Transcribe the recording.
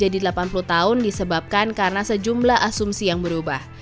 perhentian penambahan konsesi menjadi delapan puluh tahun disebabkan karena sejumlah asumsi yang berubah